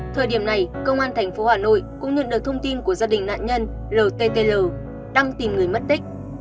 thời điểm này công an thành phố hà nội cũng nhận được thông tin của gia đình nạn nhân ltl đang tìm người mất tích